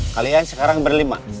kalian sekarang berlima